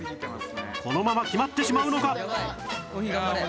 このまま決まってしまうのか！？